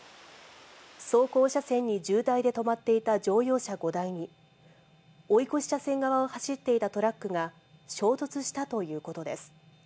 走行車線に渋滞で止まっていた乗用車５台に、追い越し車線側を走っていたトラックが衝突したということです。